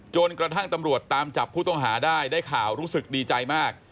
จนกระทั่งตำรวจตามจับผู้ต้องหาได้ได้ข่าวรู้สึกดีใจมาก